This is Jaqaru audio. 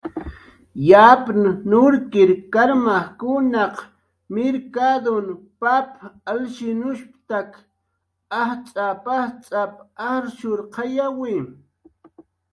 "Yapn nurkir karmajkunaq mirkatn pap alshinushstak ajtz'ap"" ajtz'ap"" ajrshuurqayawi."